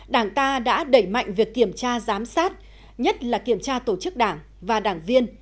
đảng ta đã đẩy mạnh việc kiểm tra giám sát nhất là kiểm tra tổ chức đảng và đảng viên